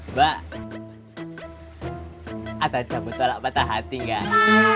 mbak ada jabut tolak patah hati gak